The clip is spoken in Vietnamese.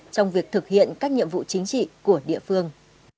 trong việc thực hiện các nhiệm vụ chính trị của địa phương